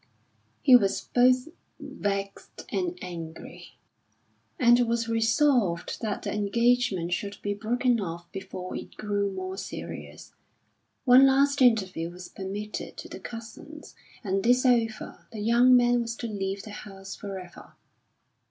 He was both vexed and angry, and was resolved that the engagement should be broken off before it grew more serious. One last interview was permitted to the cousins and, this over, the young man was to leave the house forever.